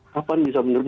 kapan bisa menurun